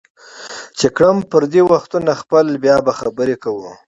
چې کړم پردي وختونه خپل بیا به خبرې کوو